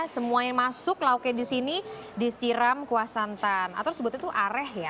semua yang masuk lauknya di sini disiram kuah santan atau sebutnya tuh areh ya